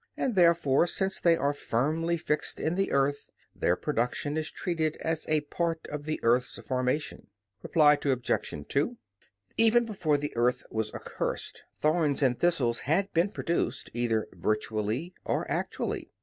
And therefore, since they are firmly fixed in the earth, their production is treated as a part of the earth's formation. Reply Obj. 2: Even before the earth was accursed, thorns and thistles had been produced, either virtually or actually.